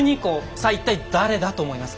さあ一体誰だと思いますか？